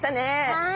はい。